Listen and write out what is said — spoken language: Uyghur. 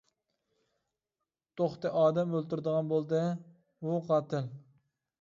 توختى ئادەم ئۆلتۈرىدىغان بولدى، ۋۇ قاتىل.